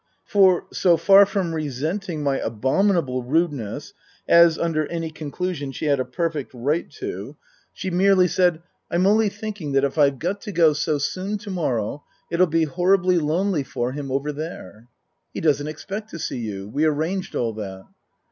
For, so far from resenting my abominable rudeness as, under any conclusion, she had a perfect right to she 74 Tasker Jevons merely said, " I'm only thinking that if I've got to go so soon to morrow it'll be horribly lonely for him over there." " He doesn't expect to see you. We arranged all that."